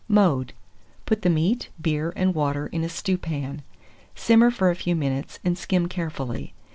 Mode. Put the meat, beer, and water in a stewpan; simmer for a few minutes, and skim carefully.